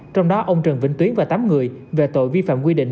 trong đó ông trần vĩnh tuyến và tám người về tội vi phạm quy định